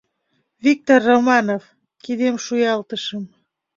Виктор Романов, — кидем шуялтышым.